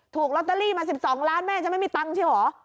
ถูกลอตเตอรี่มาสิบสองล้านแม่จะไม่มีตังค์ใช่เหรอ